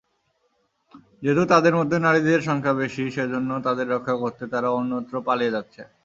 যেহেতু তাদের মধ্যে নারীদের সংখ্যা বেশি সেজন্য তাদের রক্ষা করতে তারা অন্যত্র পালিয়ে যাচ্ছে।